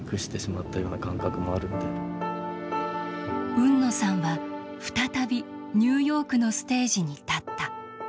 海野さんは再びニューヨークのステージに立った。